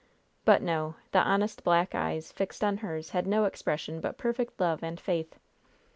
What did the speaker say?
But no! The honest black eyes fixed on hers had no expression but perfect love and faith.